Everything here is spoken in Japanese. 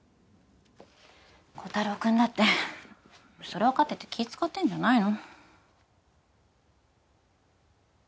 コタローくんだってそれわかってて気ぃ使ってんじゃないの？